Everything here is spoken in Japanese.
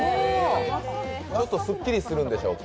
あるとすっきりするんでしょうか？